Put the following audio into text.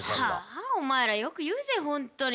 はあお前らよく言うぜ本当に。